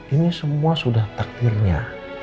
ini semua sudah takdirnya